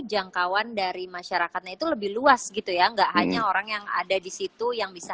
jangkauan dari masyarakatnya itu lebih luas gitu ya nggak hanya orang yang ada di situ yang bisa